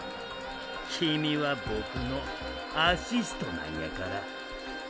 キミはボクのアシストなんやから。